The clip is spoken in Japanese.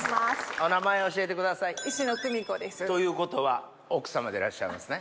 お名前教えてください。ということは奥さまでいらっしゃいますね。